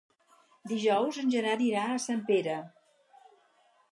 Dijous en Gerard irà a Sempere.